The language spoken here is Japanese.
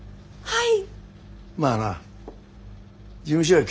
はい！